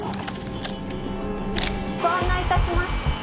「ご案内致します」